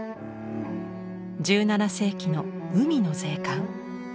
１７世紀の「海の税関」。